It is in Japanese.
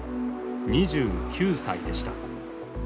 ２９歳でした。